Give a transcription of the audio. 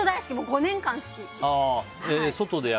５年間好き！